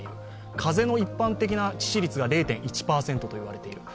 風邪の一般的な致死率が０．１％といわれている。